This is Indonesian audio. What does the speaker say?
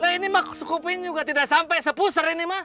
lah ini mah sekuping juga tidak sampai sepusar ini mah